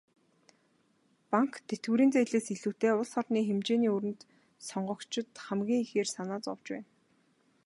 Банк, тэтгэврийн зээлээс илүүтэй улс орны хэмжээний өрөнд сонгогчид хамгийн ихээр санаа зовж байна.